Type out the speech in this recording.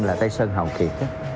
là tây sơn hào kiệt